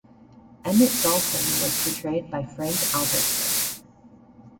Emmett Dalton was portrayed by Frank Albertson.